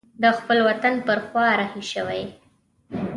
د خپل وطن پر خوا رهي شوی.